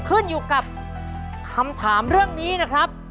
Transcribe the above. ขึ้นอยู่กับคำถามเรื่องนี้นะครับ